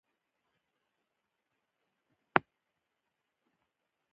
او مهمه خبره ګرانه، کله چې دې عملیاتوي، بېهوښه کېږي.